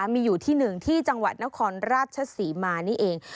มีอยู่ที่หนึ่งที่จังหวัดนครราชศรีมานี่เอง